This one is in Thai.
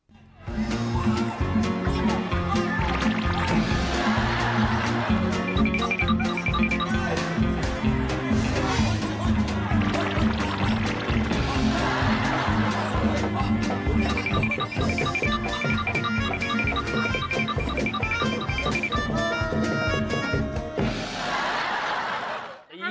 นะครับ